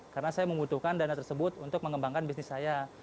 karena saya membutuhkan dana tersebut untuk mengembangkan bisnis saya